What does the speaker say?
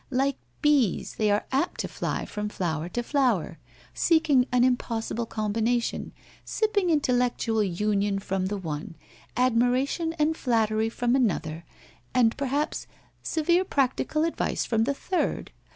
Like bees, they are apt to fly from flower to flower, seeking an impossible com bination, sipping intellectual union from the one, admira tion and flattery from another, and perhaps severe prac tical advice from the third.